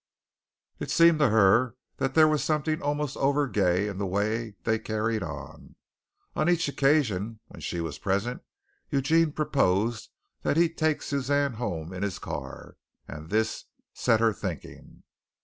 It seemed to her that there was something almost overgay in the way they carried on. On each occasion when she was present, Eugene proposed that he take Suzanne home in his car, and this set her thinking.